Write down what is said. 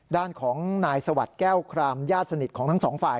ด้านของนายสวัสดิ์แก้วครามญาติสนิทของทั้งสองฝ่าย